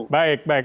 baik baik oke